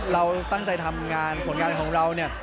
เราตั้งใจทำงานผลงานของเราเนี่ย